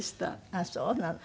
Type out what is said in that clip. ああそうなの。